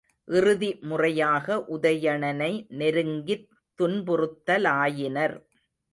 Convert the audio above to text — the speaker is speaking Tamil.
இறுதி முறையாக உதயணனை நெருங்கித் துன்புறுத்தலாயினர்.